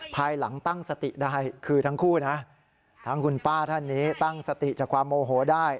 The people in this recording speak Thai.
ภายหลังตั้งสติได้คือทั้งคู่นะทั้งคุณป้าท่านนี้ตั้งสติจากความโมโหได้